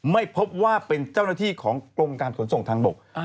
ไม่พบว่าเป็นเจ้าหน้าที่ของกรมการขนส่งทางบก